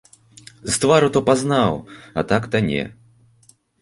З твару то пазнаў, а так то не.